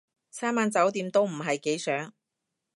三晚酒店都唔係幾想